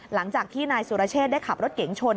หลังจากที่นายสุรเชษได้ขับรถเก๋งชน